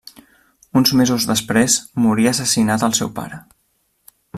Uns mesos després, moria assassinat el seu pare.